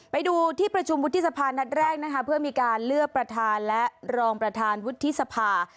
ไปดูที่ประชุมวุฒิสภานัดแรกนะคะเพื่อมีการเลือกประธานและรองประธานวุฒิสภา